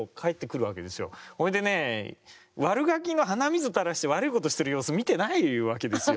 それでね悪ガキの鼻水を垂らして悪いことをしている様子を見ていないわけですよ